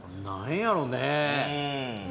何やろうね。